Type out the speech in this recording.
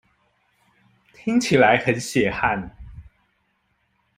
聽起來很血汗